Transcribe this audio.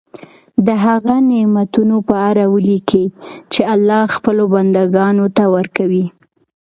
د هغه نعمتونو په اړه ولیکي چې الله خپلو بندګانو ته ورکوي.